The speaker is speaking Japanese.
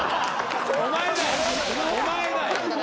お前だよ。